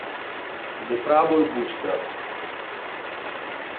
The Trouble Buster